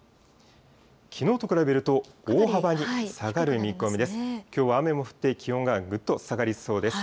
きのうと比べると、大幅に下がる見込みです。